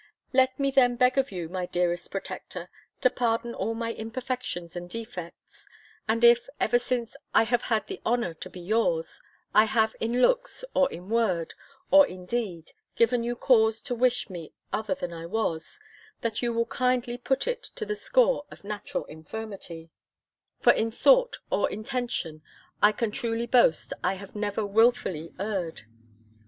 Let me then beg of you, my dearest protector, to pardon all my imperfections and defects; and if, ever since I have had the honour to be yours, I have in looks, or in word, or in deed, given you cause to wish me other than I was, that you will kindly put it to the score of natural infirmity (for in thought or intention, I can truly boast, I have never wilfully erred).